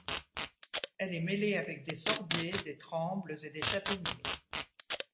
Elle est mêlée avec des sorbiers, des trembles et des châtaigniers.